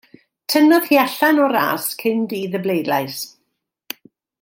Tynnodd hi allan o'r ras cyn dydd y bleidlais.